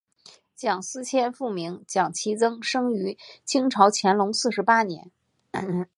蒋斯千父名蒋祈增生于清朝乾隆四十八年。